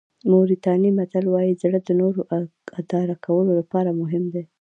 موریتاني متل وایي زړه د نورو اداره کولو لپاره مهم دی.